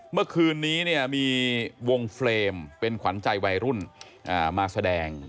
เมื่อคืนนี้เนี่ยมีวงเฟรมเป็นขวัญใจวัยรุ่นมาแสดง